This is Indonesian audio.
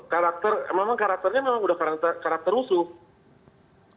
karakter memang karakternya memang udah karakter rusuh